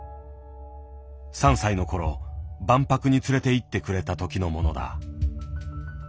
３歳の頃万博に連れていってくれた時のものだ。